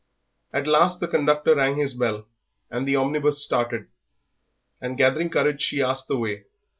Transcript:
At last the conductor rang his bell, the omnibus started, and gathering courage she asked the way.